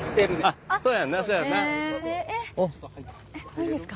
いいんですか？